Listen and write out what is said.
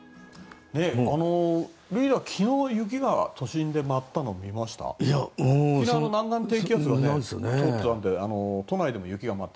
リーダー、昨日雪が都心で舞ったの見ました？